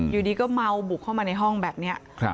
อยู่ดีก็เมาบุกเข้ามาในห้องแบบนี้